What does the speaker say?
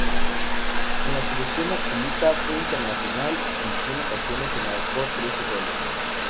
Con la selección absoluta fue internacional en cien ocasiones y marcó trece goles.